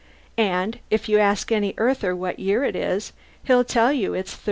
And if you ask any Earther what year this is he'll tell you it's 3876.